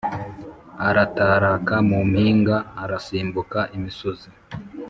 arataraka mu mpinga, arasimbuka imisozi.